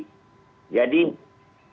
jadi apalagi konsultasi dengan dokter